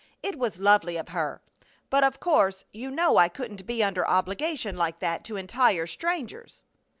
It was lovely of her, but of course you know I couldn't be under obligation like that to entire strangers."